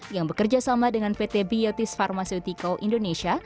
yang bekerja sama dengan pt biotis pharmaceutical indonesia